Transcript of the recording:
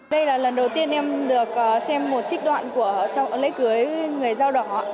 đây là lần đầu tiên em được xem một trích đoạn của lễ cưới người dao đỏ